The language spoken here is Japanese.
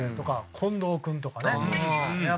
近藤君とかね。